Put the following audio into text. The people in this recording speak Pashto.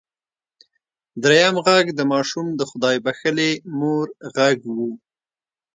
دريم غږ د ماشوم د خدای بښلې مور غږ و.